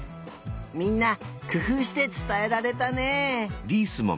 みんなくふうしてつたえられたね。